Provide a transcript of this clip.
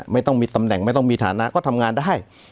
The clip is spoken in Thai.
ไม่ต้องมีตำแหน่งไม่ต้องมีฐานะก็ทำงานได้